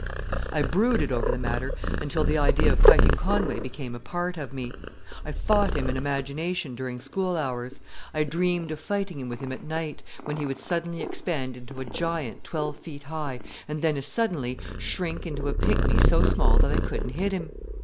I brooded over the matter until the idea of fighting Conway became a part of me. I fought him in imagination during school hours; I dreamed of fighting with him at night, when he would suddenly expand into a giant twelve feet high, and then as suddenly shrink into a pygmy so small that I couldn't hit him.